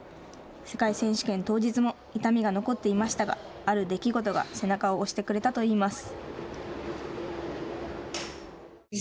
世界選手権当日も痛みが残っていましたがある出来事が背中を押してくれたといいます。